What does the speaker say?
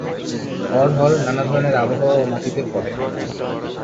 অড়হর নানা ধরনের আবহাওয়া ও মাটিতে ফলে।